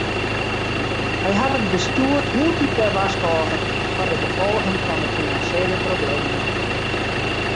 Hy hat it bestjoer hieltyd wer warskôge foar de gefolgen fan de finansjele problemen.